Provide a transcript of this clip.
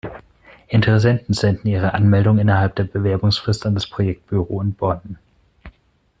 Interessenten senden ihre Anmeldung innerhalb der Bewerbungsfrist an das Projektbüro in Bonn.